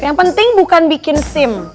yang penting bukan bikin sim